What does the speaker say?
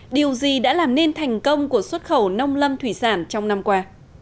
điều gì đã làm nên thành công của xuất khẩu nông lâm thủy sản trong năm qua